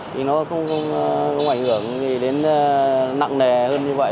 thì nó không ảnh hưởng gì đến nặng nề hơn như vậy